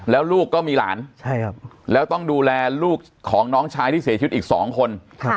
แล้วลูกก็มีหลานแล้วต้องดูแลลูกของน้องชายที่เสียชีวิตอีก๒คน